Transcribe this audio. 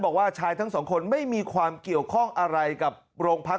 บอกว่าชายทั้งสองคนไม่มีความเกี่ยวข้องอะไรกับโรงพัก